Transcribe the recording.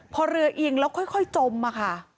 พอเรือเอียงแล้วค่อยจมมาค่ะ